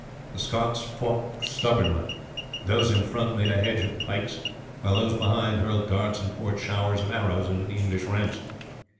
The Scots fought stubbornly; those in front made a hedge of pikes, while those behind hurled darts and poured showers of arrows into the English ranks.